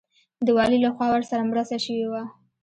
د والي لخوا ورسره مرسته شوې وه.